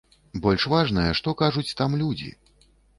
Больш важнае, што кажуць там людзі.